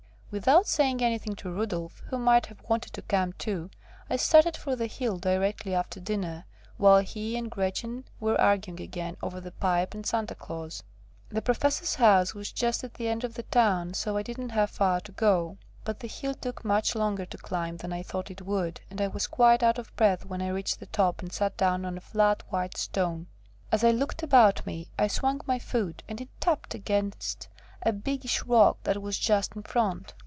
Without saying anything to Rudolf, who might have wanted to come too, I started for the hill directly after dinner, while he and Gretchen were arguing again over the pipe and Santa Claus. The Professor's house was just at the end of the town, so I didn't have far to go; but the hill took much longer to climb than I thought it would, and I was quite out of breath when I reached the top and sat down on a flat white stone. As I looked about me, I swung my foot, and it tapped against a biggish rock that was just in front.